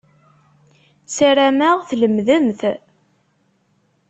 Sarameɣ tlemmdemt.